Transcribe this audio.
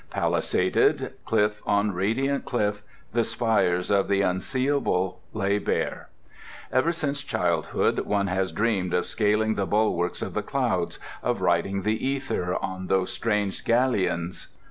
Palisaded, cliff on radiant cliff, the spires of the Unseeable lay bare. Ever since childhood one has dreamed of scaling the bulwarks of the clouds, of riding the ether on those strange galleons.